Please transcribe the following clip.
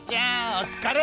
お疲れ！